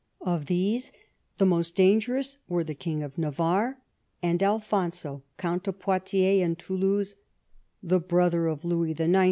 Of these the most dangerous were the King of Navarre, and Alfonso, Count of Poitiers and Toulouse, the brother of Louis IX.